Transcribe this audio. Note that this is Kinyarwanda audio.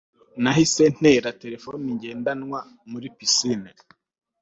Nahise ntera terefone ngendanwa muri pisine